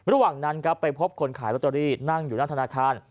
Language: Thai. ระหว่างนั้นครับไปพบคนขายลอตเตอรี่นั่งอยู่หน้าธนาคาร